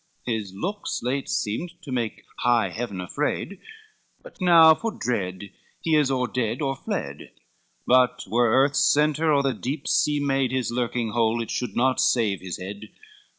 His looks late seemed to make high heaven afraid; But now for dread he is or dead or fled; But whe'er earth's centre or the deep sea made His lurking hole, it should not save his head."